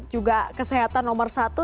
juga kesehatan nomor satu